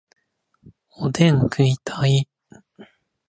おでん食いたい